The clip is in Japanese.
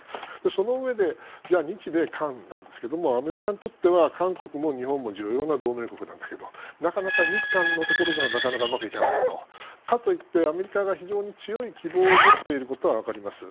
そのうえで、日米韓ですがアメリカにとっては韓国も日本も重要な同盟国だけどなかなか日韓のところがなかなかうまくいかないとかといってアメリカが強い希望を持っていることは分かります。